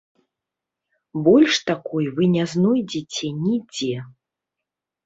Больш такой вы не знойдзеце нідзе.